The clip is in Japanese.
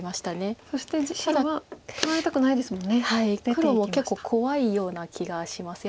黒も結構怖いような気がします。